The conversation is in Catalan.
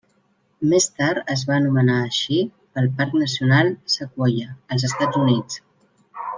Més tard es va nomenar així pel Parc Nacional Sequoia, als Estats Units.